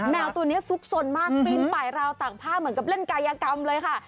แมวตัวนี้ซุกสนมากปีนป่ายราวตากผ้าเหมือนกับเล่นกายกรรมเลยค่ะ